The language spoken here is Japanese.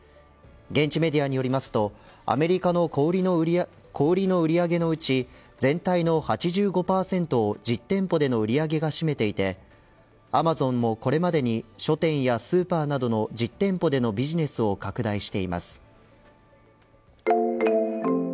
現地メディアによりますとアメリカの小売りの売り上げのうち全体の８５％を実店舗での売り上げが占めていてアマゾンもこれまでに書店やスーパーなどの実店舗でのビジネスを拡大しています。